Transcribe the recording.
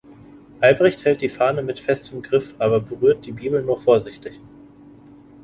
Albrecht hält die Fahne mit festem Griff, aber berührt die Bibel nur vorsichtig.